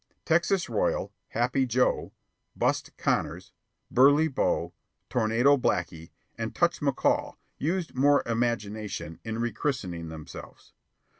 Texas Royal, Happy Joe, Bust Connors, Burley Bo, Tornado Blackey, and Touch McCall used more imagination in rechristening themselves.